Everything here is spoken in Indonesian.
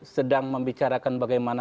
sedang membicarakan bagaimana